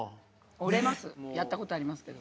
折れますやったことありますけど。